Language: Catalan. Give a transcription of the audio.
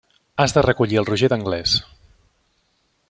Has de recollir el Roger d'anglès.